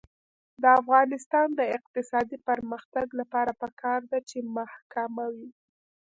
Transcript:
د افغانستان د اقتصادي پرمختګ لپاره پکار ده چې محکمه وي.